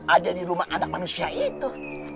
ada di rumah anak manusia itu